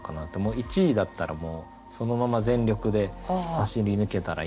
１位だったらもうそのまま全力で走り抜けたらいいのか。